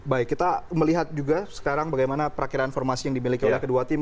baik kita melihat juga sekarang bagaimana perakhiran formasi yang dimiliki oleh kedua tim